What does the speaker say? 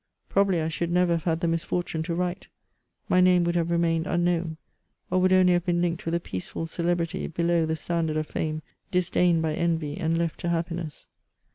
Probably I should never have had the misfortune to write ; my name would have remained unknown, or would only have been linked with a peaceful celebrity, below the standard of fame, disdained by envy, and leffc to happiness.